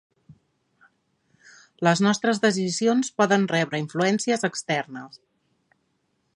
Les nostres decisions poden rebre influències externes.